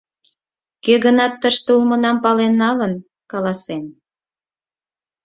Кӧ-гынат тыште улмынам пален налын, каласен.